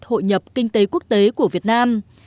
hội nhập kinh tế quốc tế của việt nam